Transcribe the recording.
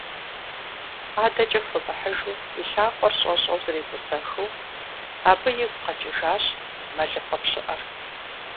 АдэкӀэ хуэмыхьыжу, и лъакъуэр щӀэщӀэу зэретӀысэхыу, абы игу къэкӀыжащ мэлыхъуэ пщыӀэр.